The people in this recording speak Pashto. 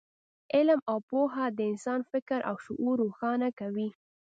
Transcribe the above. علم او پوهه د انسان فکر او شعور روښانه کوي.